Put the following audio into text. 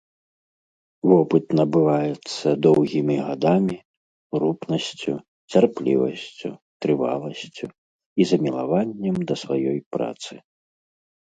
Вопыт набываецца доўгімі гадамі, рупнасцю, цярплівасцю, трываласцю і замілаваннем да сваёй працы.